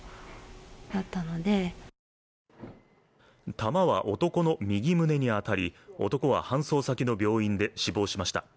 弾は男の右胸に当たり、男は搬送先の病院で死亡しました。